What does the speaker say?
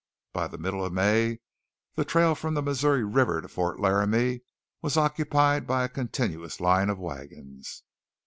By the middle of May the trail from the Missouri River to Fort Laramie was occupied by a continuous line of wagons.